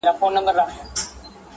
زما پر زړه دغه ګيله وه ښه دى تېره سوله,